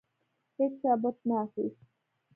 هیچا بت نه اخیست.